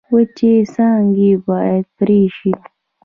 وچې څانګې باید پرې شي.